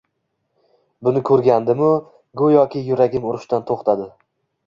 Buni ko`rgandim-u, go`yoki yuragim urishdan to`xtadi